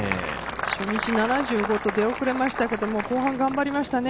初日出遅れましたけど後半頑張りましたね。